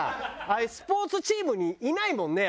あいうスポーツチームにいないもんね